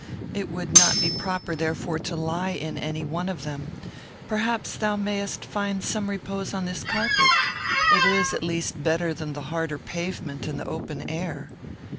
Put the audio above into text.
It would not be proper, therefore, to lie in any one of them. Perhaps thou mayest find some repose upon this carpet. It is, at least, better than the harder pavement and the open air."